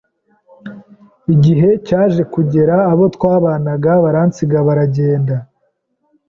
Igihe cyaje kugera abo twabanaga baransiga baragenda